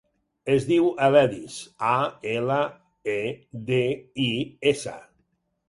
Es diu Aledis: a, ela, e, de, i, essa.